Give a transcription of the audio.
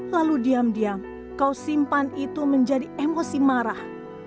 lalu diam diam kau simpan itu menjadi emosi marah